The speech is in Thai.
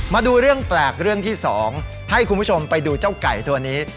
มาดูเรื่องแปลกเรื่องที่๒ให้คุณผู้ชมไปดูเจ้าไก่ตัวนี้